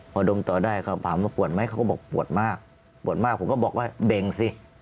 พอดมต่อได้เขาถามว่าปวดไหมเขาก็บอกปวดมากปวดมากผมก็บอกว่าเด่งสิ